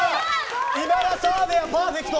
澤部はパーフェクト！